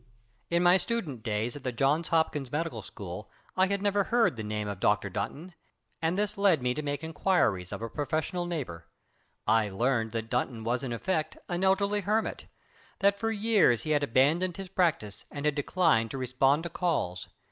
In my student days at the Johns Hopkins Medical School I had never heard the name of Dr. Dunton, and this led me to make inquiries of a professional neighbor. I learned that Dunton was in effect an elderly hermit, that for years he had abandoned his practice and had declined to respond to calls.